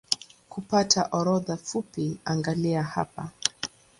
Kupata orodha fupi angalia hapa